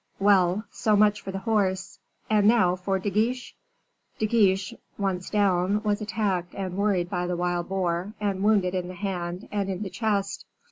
"Well, so much for the horse, and now for De Guiche?" "De Guiche, once down, was attacked and worried by the wild boar, and wounded in the hand and in the chest."